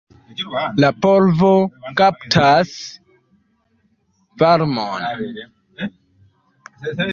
La polvo kaptas varmon.